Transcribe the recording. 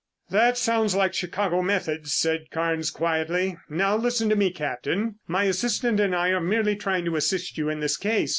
"That sounds like Chicago methods," said Carnes quietly. "Now listen to me, Captain. My assistant and I are merely trying to assist you in this case.